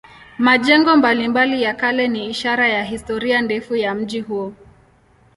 Majengo mbalimbali ya kale ni ishara ya historia ndefu ya mji huu.